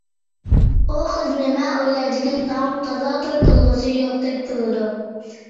ئۇ قىز نېمە ئويلايدىكىن تاڭ، تازا توي قىلغۇسى يوقتەك تۇرىدۇ.